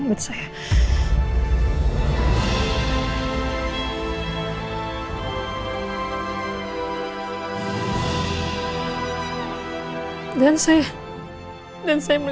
ini benar benar menakutkan